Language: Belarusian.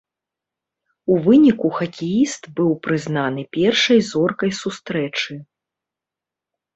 У выніку хакеіст быў прызнаны першай зоркай сустрэчы.